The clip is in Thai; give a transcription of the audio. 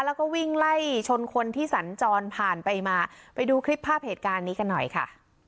แล้วก็วิ่งไล่ชนคนที่สัญจรผ่านไปมาไปดูคลิปภาพเหตุการณ์นี้กันหน่อยค่ะ